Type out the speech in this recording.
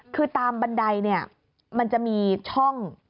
คือตามบันไดเนี่ยมันจะมีช่อง